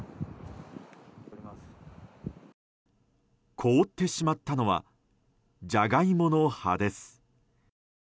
凍ってしまったのはジャガイモの葉です。